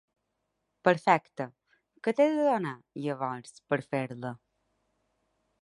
Perfecte, que t'he de donar llavors per fer-la?